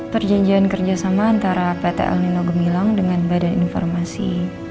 perjanjian kerjasama antara pt elnino gemilang dengan badan informasi